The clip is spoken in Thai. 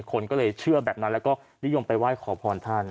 คนก็เลยเชื่อแบบนั้นแล้วก็นิยมไปไหว้ขอพรท่าน